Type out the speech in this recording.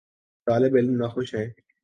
طالب علم ناخوش ہیں۔